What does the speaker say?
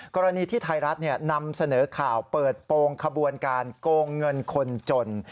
กรณีที่ไทยรัฐนำเสนอข่าวเปิดโปรงขบวนการโกงเงินคนจน